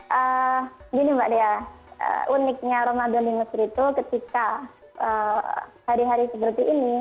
begini mbak dea uniknya ramadan di mesir itu ketika hari hari seperti ini